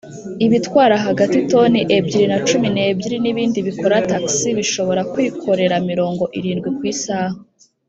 ibitwara hagati toni ebyiri na cumi n’ebyiri nibindi bikora taxi bishobora kwikorera mirongo irindwi ku isaha